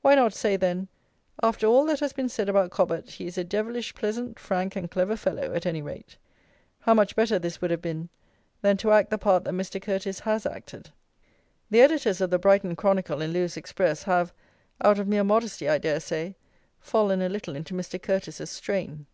Why not say then: "After all that has been said about Cobbett, he is a devilish pleasant, frank, and clever fellow, at any rate." How much better this would have been, than to act the part that Mr. Curteis has acted. The Editors of the Brighton Chronicle and Lewes Express have, out of mere modesty, I dare say, fallen a little into Mr. Curteis's strain.